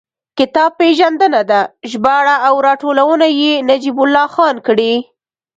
کتاب پېژندنه ده، ژباړه او راټولونه یې نجیب الله خان کړې.